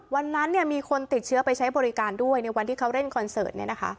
วันนั้นมีคนติดเชื้อไปใช้บริการด้วยในวันที่เขาเล่นคอนเสิร์ต